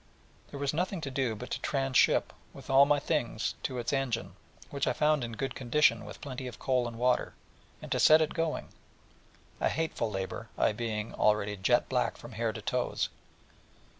There was nothing to do but to tranship, with all my things, to its engine, which I found in good condition with plenty of coal and water, and to set it going, a hateful labour: I being already jet black from hair to toes.